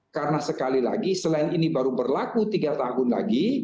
karena sekali lagi selain ini baru berlaku tiga tahun lagi